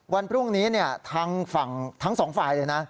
วันพรุ่งนี้ทางฝั่งทั้งสองฝ่ายเลยนะ